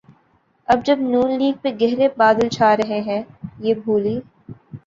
اب جب نون لیگ پہ گہرے بادل چھا رہے ہیں‘ یہ بھولی